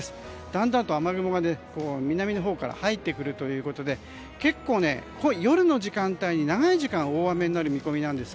だんだんと雨雲が南のほうから入ってくるということで結構、夜の時間帯に長い時間大雨になる見込みです。